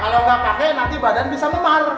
kalau gak pakai nanti badan bisa memal